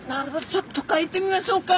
ちょっとかいてみましょうか。